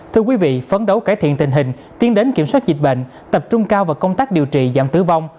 thưa quý vị phấn đấu cải thiện tình hình tiến đến kiểm soát dịch bệnh tập trung cao vào công tác điều trị giảm tử vong